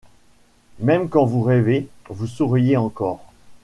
Même quand vous rêvez, vous souriez encor.